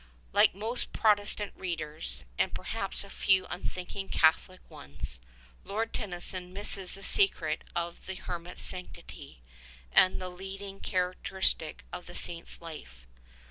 Like most Protestant readers and perhaps a few unthinking Catholic ones. Lord Tennyson misses the secret of the hermit's sanctity, and the leading characteristic of the Saint's life.